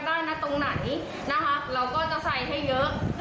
ก็คือใครอยากได้ตรงไหนเราก็จะใส่ให้เยอะ